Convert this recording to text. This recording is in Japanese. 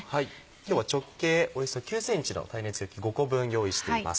今日は直径およそ９ｃｍの耐熱容器５個分用意しています。